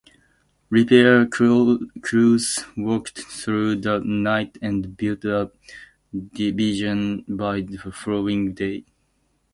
Repair crews worked through the night and built a deviation by the following day.